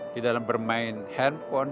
di dalam bermain handphone